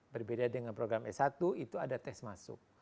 berbeda dengan program s satu itu ada tes masuk